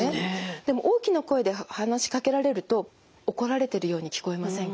でも大きな声で話しかけられると怒られてるように聞こえませんか？